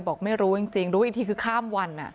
บอกไม่รู้จริงรู้อีกทีคือข้ามวัน